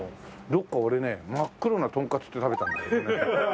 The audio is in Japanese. どこか俺ね真っ黒なとんかつって食べたんですよね。